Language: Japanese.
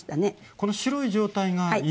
この白い状態がいいんですか？